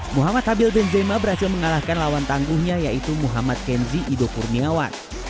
muhammad habil benzema berhasil mengalahkan lawan tangguhnya yaitu muhammad kenzi ido kurniawan